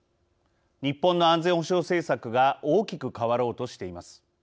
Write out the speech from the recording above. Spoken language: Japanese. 日本の安全保障政策が大きく変わろうとしています。